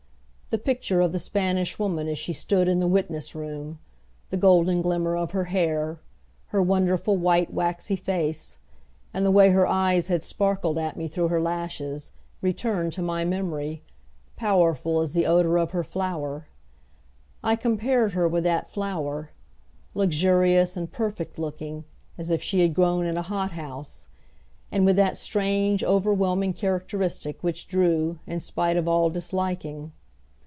The picture of the Spanish Woman as she stood in the witness room, the golden glimmer of her hair, her wonderful white waxy face, and the way her eyes had sparkled at me through her lashes, returned to my memory, powerful as the odor of her flower. I compared her with that flower luxurious and perfect looking, as if she had grown in a hothouse; and with that strange overwhelming characteristic which drew, in spite of all disliking.